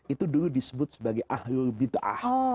itu dulu disebut sebagai ahlul bid'ah